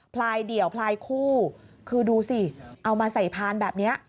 ลายเดี่ยวพลายคู่คือดูสิเอามาใส่พานแบบนี้